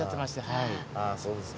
はい。